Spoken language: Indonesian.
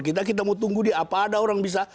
kita kita mau tunggu dia apa ada orang bisa